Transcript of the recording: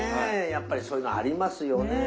やっぱりそういうのありますよね。